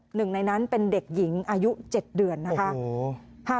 หนึ่งในนั้นเป็นเด็กหญิงอายุ๗เดือนนะคะ